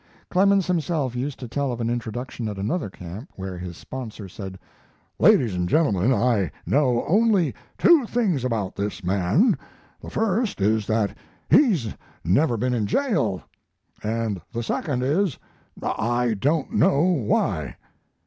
Clemens himself used to tell of an introduction at another camp, where his sponsor said: "Ladies and gentlemen, I know only two things about this man: the first is that he's never been in jail, and the second is I don't know why."